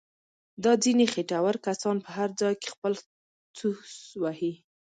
دا ځنیې خېټور کسان په هر ځای کې خپل څوس وهي.